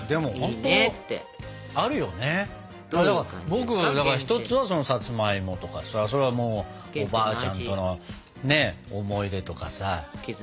僕一つはそのさつまいもとかさ。それはもうおばあちゃんとのね思い出とかさ。